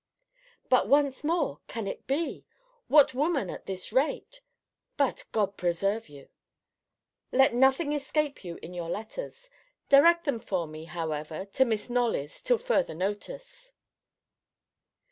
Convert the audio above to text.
But, once more, can it be? What woman at this rate! But, God preserve you! Let nothing escape you in your letters. Direct them for me, however, to Mrs. Knolly's, till further notice.